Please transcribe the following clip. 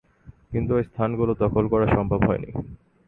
কিন্তু এ স্থানগুলো দখল করা সম্ভব হয়নি।